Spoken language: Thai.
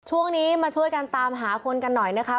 ช่วงนี้มาช่วยกันตามหาคนกันหน่อยนะคะ